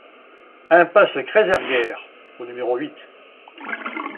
Impasse Kreiz er Gêr au numéro huit